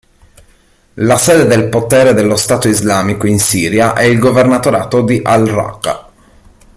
La sede del potere dello Stato Islamico in Siria è il governatorato di al-Raqqa.